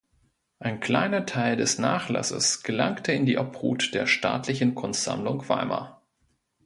Ein kleiner Teil des Nachlasses gelangte in die Obhut der Staatlichen Kunstsammlungen Weimar.